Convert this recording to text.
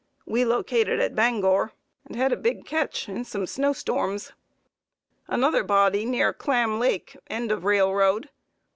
We located at Bangor and had a big catch in some big snowstorms. Another body near Clam Lake, end of railroad.